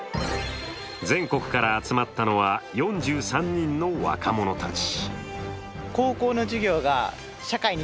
全国から集まったのは４３人の若者たち。